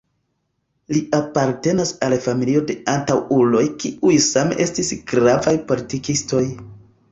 Li apartenas al familio de antaŭuloj kiuj same estis gravaj politikistoj.